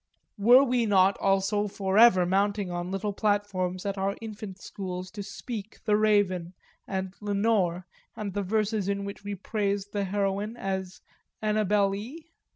Were we not also forever mounting on little platforms at our infant schools to "speak" The Raven and Lenore and the verses in which we phrased the heroine as Annabellee?